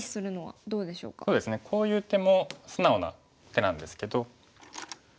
こういう手も素直な手なんですけど。